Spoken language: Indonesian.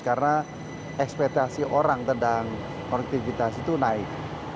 karena ekspetasi orang tentang produktivitas itu naik